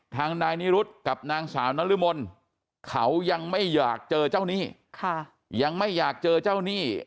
ทางนายนิรุทธ์กับนางสาวนรมนธ์เขายังไม่อยากเจอเจ้านี่